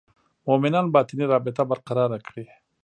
مومنان باطني رابطه برقراره کړي.